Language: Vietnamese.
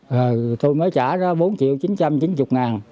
rồi tôi mới trả ra bốn triệu chín trăm chín mươi ngàn